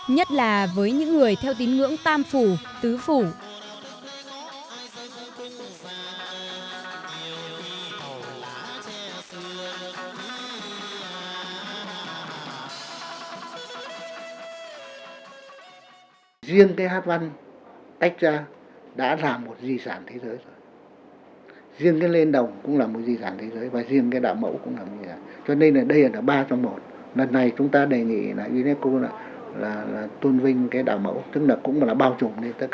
nhất là với những người theo tín ngưỡng tam phủ tứ phủ